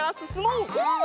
うん！